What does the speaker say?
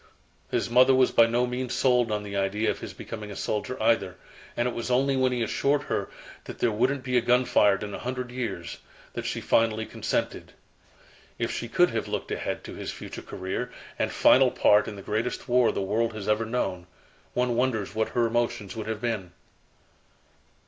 His mother was by no means "sold" on the idea of his becoming a soldier either, and it was only when he assured her that there wouldn't be a gun fired in a hundred years, that she finally consented. If she could have looked ahead to his future career, and final part in the greatest war the world has ever known one wonders what her emotions would have been!